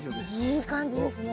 いい感じですね。